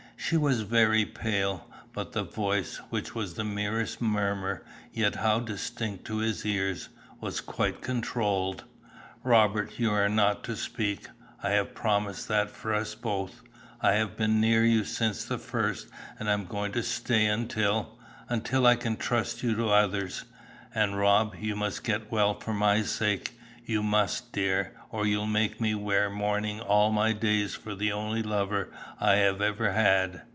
She was very pale, but the voice, which was the merest murmur, yet how distinct to his ears, was quite controlled. "Robert, you are not to speak. I have promised that for us both. I have been near you since the first, and I am going to stay until until I can trust you to others. And, Rob, you must get well for my sake. You must, dear, or you'll make me wear mourning all my days for the only lover I have ever had.